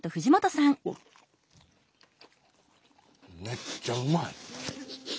めっちゃうまい。